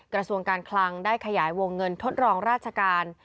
กระทรวงการคลังได้ขยายวงเงินทดลองราชการ